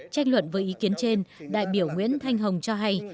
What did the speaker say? trách luận với ý kiến trên đại biểu nguyễn thanh hồng cho hay